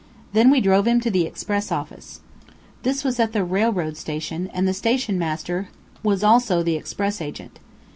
Then we drove him to the express office. This was at the railroad station, and the station master was also express agent.